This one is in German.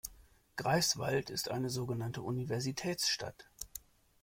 Greifswald ist eine sogenannte Universitätsstadt.